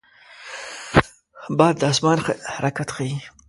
باد د آسمان حرکت ښيي